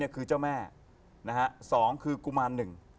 ๑คือเจ้าแม่๒คือกุมาร๑